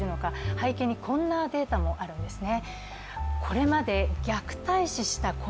背景に、こんなデータもあるんですね。